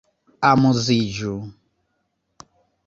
Amuziĝu!